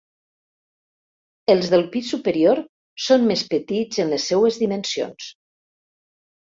Els del pis superior són més petits en les seues dimensions.